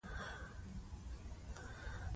دوی په خولو کې غرق، ستړي ستومانه او د لارې مټ وهلي ول.